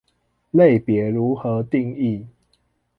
類別如何定義